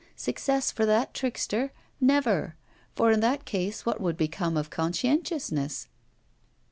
Success for that trickster! Never! For in that case what would become of conscientiousness?